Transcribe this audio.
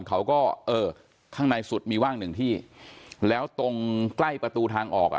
เขาก็เออข้างในสุดมีว่างหนึ่งที่แล้วตรงใกล้ประตูทางออกอ่ะ